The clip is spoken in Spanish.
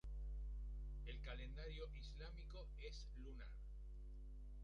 El calendario islámico es lunar.